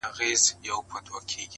o ادبي غونډه کي نيوکي وسوې,